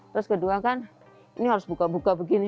terus kedua kan ini harus buka buka begini